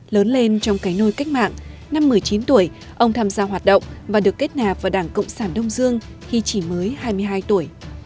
lớn lên trong cái nôi cách mạng năm một mươi chín tuổi ông tham gia hoạt động và được kết nạp vào đảng cộng sản đông dương khi chỉ mới hai mươi hai tuổi